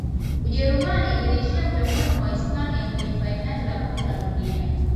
ujerumani iliishia mdomoni mwa wahispania kwenye fainali za kombe la ulaya